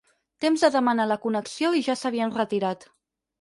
Temps de demanar la connexió i ja s'havien retirat.